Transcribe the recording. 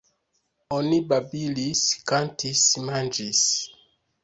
Oni babilis, kantis, manĝis.